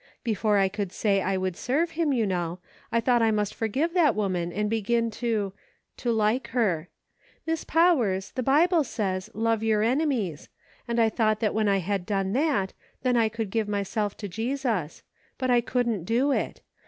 Before I could say I would serve him, you know, I thought I must forgive that woman and begin to — to like her. Miss Powers, the Bible says, * Love your enemies,' and I thought when I had done that, then I could give myself to Jesus ; but I couldn't do it.